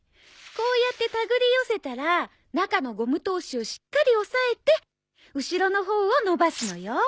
こうやってたぐり寄せたら中のゴム通しをしっかり押さえて後ろのほうを伸ばすのよ。